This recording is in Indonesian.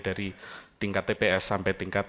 dari tingkat tps sampai tingkat